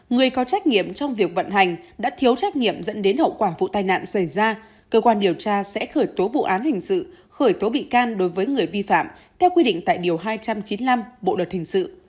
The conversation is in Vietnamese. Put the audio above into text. người có trách nhiệm trong việc vận hành đã thiếu trách nhiệm dẫn đến hậu quả vụ tai nạn xảy ra cơ quan điều tra sẽ khởi tố vụ án hình sự khởi tố bị can đối với người vi phạm theo quy định tại điều hai trăm chín mươi năm bộ luật hình sự